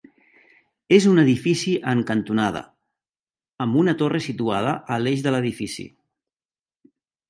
És un edifici en cantonada, amb una torre situada a l'eix de l'edifici.